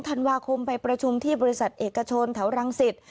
ธันวาคมไปประชุมที่บริษัทเอกชนแถวรังสิต